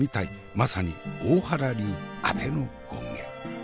まさに大原流あての権化。